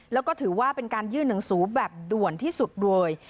แล้วก็ถือว่าเป็นการยื่นหนังสือแบบด่วนที่สุดโดย